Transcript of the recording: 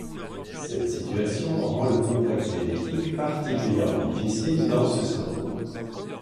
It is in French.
Cette situation rend le complexe génétique particulièrement difficile dans ce syndrome.